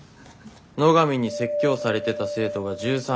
野上に説教されてた生徒が１３人。